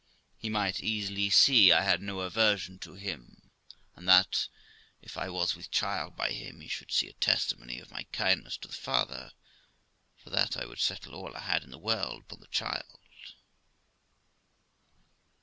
He might easily see I had no aversion to him ; and that, if I was with child by him, he should see a testimony of my kindness to the father, for that I would settle all I had in the world upon the child.